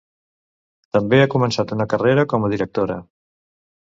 També ha començat una carrera com a directora.